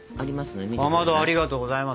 かまどありがとうございます。